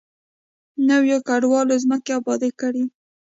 نویو کډوالو ځمکې ابادې کړې.